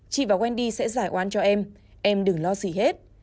chị và quen đi sẽ giải oan cho em em đừng lo gì hết